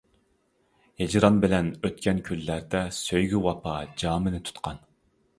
ھىجران بىلەن ئۆتكەن كۈنلەردە، سۆيگۈ ۋاپا جامىنى تۇتقان.